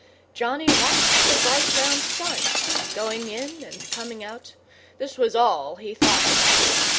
Johnny watched the bright round sun Going in and coming out; This was all he thought about.